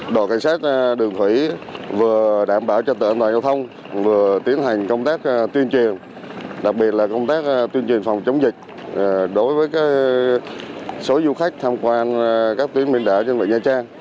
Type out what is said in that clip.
đội cảnh sát đường thủy vừa đảm bảo trật tự an toàn giao thông vừa tiến hành công tác tuyên truyền đặc biệt là công tác tuyên truyền phòng chống dịch đối với số du khách tham quan các tuyến biên đạo trên vịnh nha trang